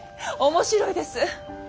面白いです。